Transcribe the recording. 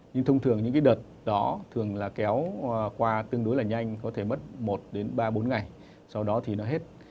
nhưng thông thường những cái đợt đó thường là kéo qua tương đối là nhanh có thể mất một đến ba bốn ngày sau đó thì nó hết